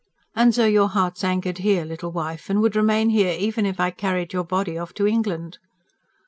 "And so your heart's anchored here, little wife, and would remain here even if I carried your body off to England?"